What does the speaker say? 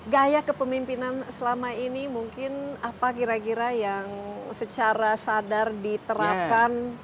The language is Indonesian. gaya kepemimpinan selama ini mungkin apa kira kira yang secara sadar diterapkan